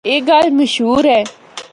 اے گل مشہور ہے۔